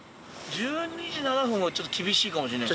１２時７分はちょっと厳しいかもしれない。